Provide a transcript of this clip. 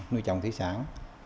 nuôi trồng thủy sản